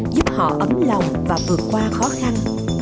giúp họ ấm lòng và vượt qua khó khăn